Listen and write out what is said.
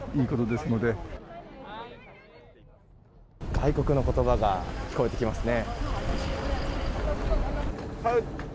外国の言葉が聞こえてきますね。